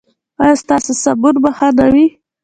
ایا ستاسو صابون به ښه نه وي؟